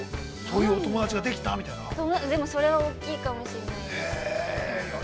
そういうお友達ができた、みたいな。